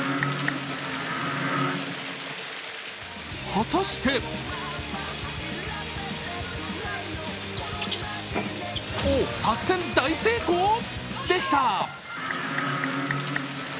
果たして作戦大成功でした。